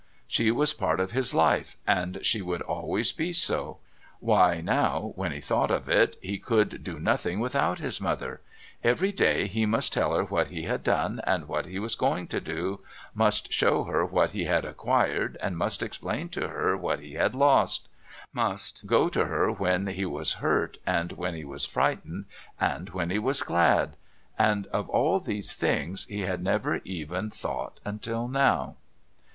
She was part of his life, and she would always be so. Why, now, when he thought of it, he could do nothing without his mother; every day he must tell her what he had done and what he was going to do, must show her what he had acquired and must explain to her what he had lost, must go to her when he was hurt and when he was frightened and when he was glad... And of all these things he had never even thought until now.